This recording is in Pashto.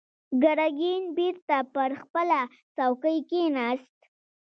ګرګين بېرته پر خپله څوکۍ کېناست.